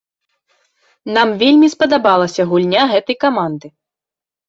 Нам вельмі спадабалася гульня гэтай каманды.